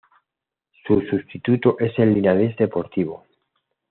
Su sustituto es el Linares Deportivo.